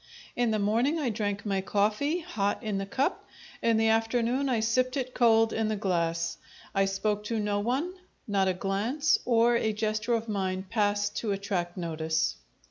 In the morning I drank my coffee, hot in the cup; in the afternoon I sipped it cold in the glass. I spoke to no one; not a glance or a gesture of mine passed to attract notice.